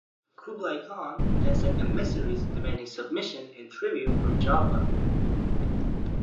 Kublai Khan then sent emissaries demanding submission and tribute from Java.